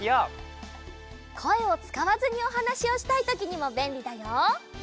こえをつかわずにおはなしをしたいときにもべんりだよ。